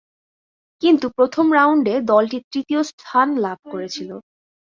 কিন্তু প্রথম রাউন্ডে দলটি তৃতীয় স্থান লাভ করেছিল।